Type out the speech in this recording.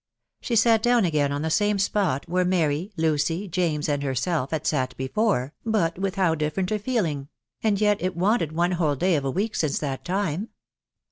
She sat down again, on the same spot where Mary, Lucy, James, and herself had sat before, but with how different a feeling ! and yet it wanted one whole day of a week since that time.